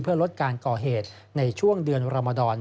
เพื่อลดการก่อเหตุในช่วงเดือนรมดร